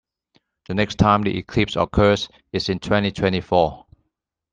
The next time the eclipse occurs is in twenty-twenty-four.